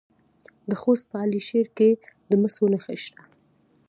د خوست په علي شیر کې د مسو نښې شته.